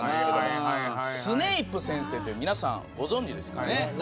スネイプ先生皆さんご存じですか。